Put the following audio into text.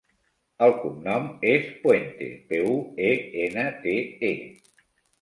El cognom és Puente: pe, u, e, ena, te, e.